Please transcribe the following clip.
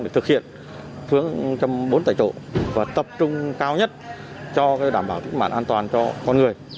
để thực hiện xuống trong bốn tài trộn và tập trung cao nhất cho đảm bảo tính mạng an toàn cho con người